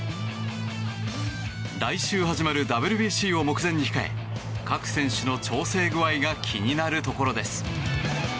来週始まるＷＢＣを目前に控え各選手の調整具合が気になるところです。